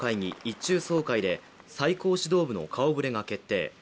一中総会で、最高指導部の顔ぶれが決定。